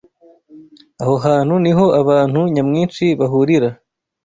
Aho hantu niho abantu nyamwinshi bahurira